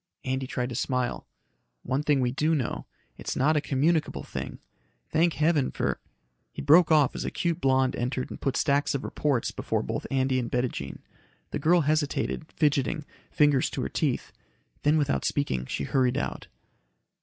Andy tried to smile. "One thing we do know. It's not a communicable thing. Thank heaven for " He broke off as a cute blonde entered and put stacks of reports before both Andy and Bettijean. The girl hesitated, fidgeting, fingers to her teeth. Then, without speaking, she hurried out.